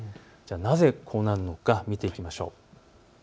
なぜこうなるのか見ていきましょう。